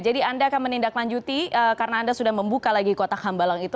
anda akan menindaklanjuti karena anda sudah membuka lagi kotak hambalang itu